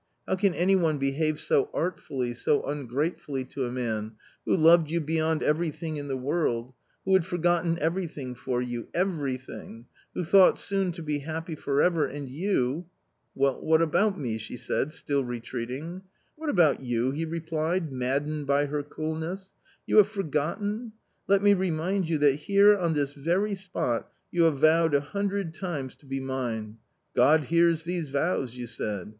How can any one behave so artfully, so ungrate fully to a man, who loved you beyond everything in the world, who had forgotten everything for you, everything .... who thought soon to be happy for ever, and you "" Well, what about me ?" she said, still retreating. " What about you ?" he replied, maddened by her cool ness. " You have forgotten ! let me remind you that here on this very spot you have vowed a hundred times to be mine. ' God hears these vows,' you said.